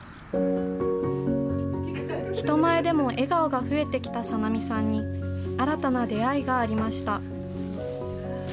人前でも笑顔が増えてきたさなみさんに、新たな出会いがありました。